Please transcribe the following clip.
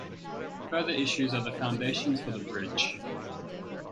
Further issues are the foundations for the bridge.